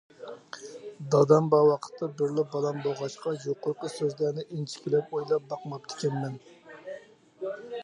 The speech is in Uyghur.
دادام بار ۋاقىتتا بىرلا بالام بولغاچقا يۇقىرىقى سۆزلەرنى ئىنچىكىلەپ ئويلاپ باقماپتىكەنمەن.